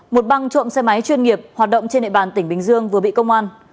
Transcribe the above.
một băng trộm xe máy chuyên nghiệp hoạt động trên địa bàn tỉnh bình dương vừa bị công an